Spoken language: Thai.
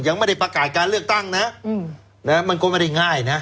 ยังไม่ได้ประกาศการเลือกตั้งนะมันก็ไม่ได้ง่ายนะ